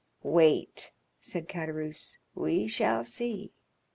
"Wait," said Caderousse, "we shall see."